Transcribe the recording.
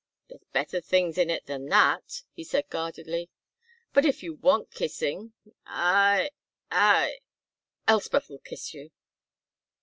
"There's better things in it than that," he said guardedly; "but if you want kissing, I I Elspeth'll kiss you."